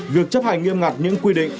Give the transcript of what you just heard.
việc chấp hành nghiêm ngặt những quy định